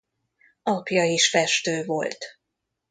Apja is festő volt.